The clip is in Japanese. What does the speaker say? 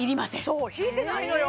そうひいてないのよ